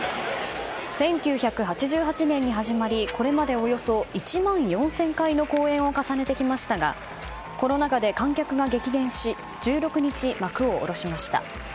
１９８８年に始まりこれまでおよそ１万４０００回の公演を重ねてきましたがコロナ禍で観客が激減し１６日、幕を下ろしました。